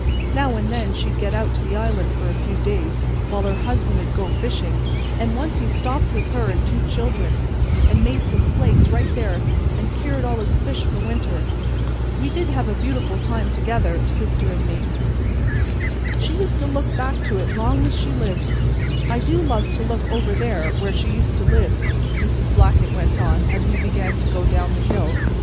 Now and then she'd get out to the island for a few days while her husband'd go fishin'; and once he stopped with her an' two children, and made him some flakes right there and cured all his fish for winter. We did have a beautiful time together, sister an' me; she used to look back to it long's she lived. "I do love to look over there where she used to live," Mrs. Blackett went on as we began to go down the hill.